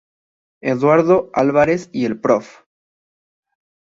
Eduardo Álvarez y el Prof.